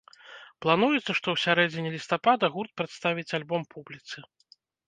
Плануецца, што ў сярэдзіне лістапада гурт прадставіць альбом публіцы.